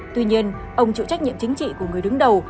tuy nhiên ông chịu trách nhiệm chính trị của người đứng đầu